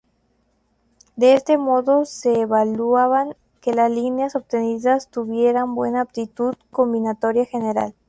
De este modo se evaluaba que las líneas obtenidas tuvieran buena aptitud combinatoria general.